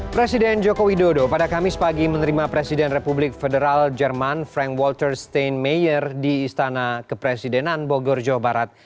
presiden joko widodo pada kamis pagi menerima presiden republik federal jerman frank walter steinmeyer di istana kepresidenan bogor jawa barat